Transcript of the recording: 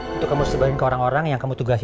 untuk kamu sebaikin ke orang orang yang kamu tugasin